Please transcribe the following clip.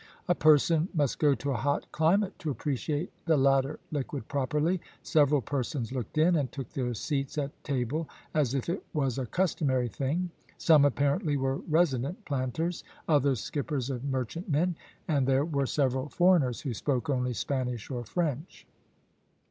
A person must go to a hot climate to appreciate the latter liquid properly. Several persons looked in, and took their seats at table as if it was a customary thing. Some apparently were resident planters; others skippers of merchantmen, and there were several foreigners, who spoke only Spanish or French.